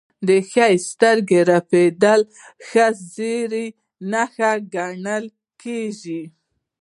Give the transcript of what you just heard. د ښي سترګې رپیدل د ښه زیری نښه ګڼل کیږي.